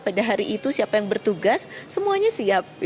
pada hari itu siapa yang bertugas semuanya siap